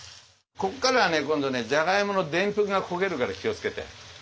ここからはね今度ねじゃがいものでんぷんが焦げるから気をつけて。